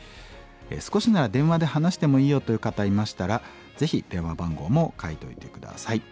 少しなら電話で話してもいいよという方いましたらぜひ電話番号も書いておいて下さい。